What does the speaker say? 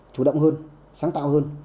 chủ động hơn sáng tạo hơn